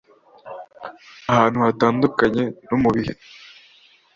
ahantu hatandukanye no mu bihe